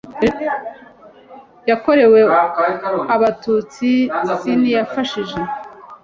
yakorewe abatutsi cnlg yafashije